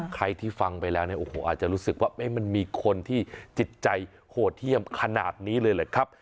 ใครที่ฟังไปแล้วเนี่ยโอ้โหอาจจะรู้สึกว่ามันมีคนที่จิตใจโหดเยี่ยมขนาดนี้เลยเหรอครับ